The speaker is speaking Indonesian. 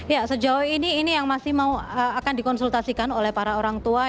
ya sejauh ini ini yang masih mau akan dikonsultasikan oleh para orang tua